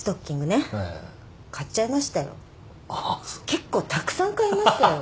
結構たくさん買いましたよ。